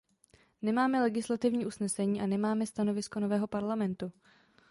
Nemáme legislativní usnesení a nemáme stanovisko nového Parlamentu.